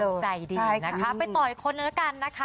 กำลังใจดีนะคะไปต่ออีกคนหนึ่งละกันนะคะ